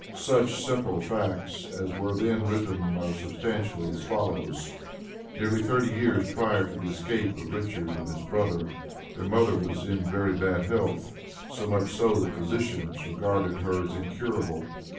Such simple facts as were then written are substantially as follows: Nearly thirty years prior to the escape of Richard and his brother their mother was in very bad health, so much so that physicians regarded her incurable.